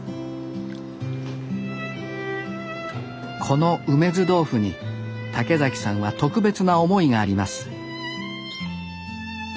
この梅酢豆腐に竹さんは特別な思いがあります